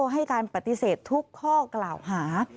ให้การปฏิเสธทุกข้อกล่าวหา